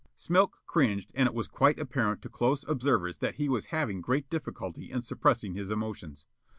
Smilk cringed and it was quite apparent to close observers that he was having great difficulty in suppressing his emotions.